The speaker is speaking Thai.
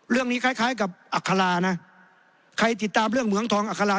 เรื่องนี้คล้ายคล้ายกับอัครานะใครติดตามเรื่องเหมืองทองอัครา